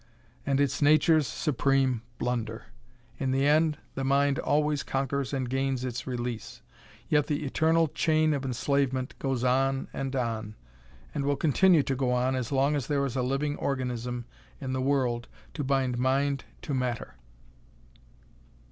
And it's Nature's supreme blunder! In the end, the Mind always conquers and gains its release, yet the eternal chain of enslavement goes on and on, and will continue to go on as long as there is a living organism in the world to bind mind to matter."